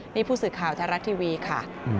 นี่ผู้สื่อข่าวแท้รัฐทีวีค่ะ